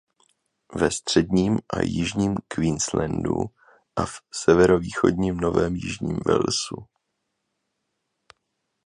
Ve středním a jižním Queenslandu a v severovýchodním Novém Jižním Walesu.